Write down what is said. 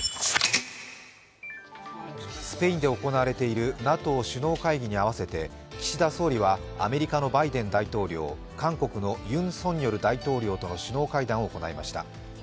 スペインで行われているＮＡＴＯ首脳会議に合わせて岸田総理は、アメリカのバイデン大統領、韓国のユン・ソンニョル大統領との首脳会談を行いました。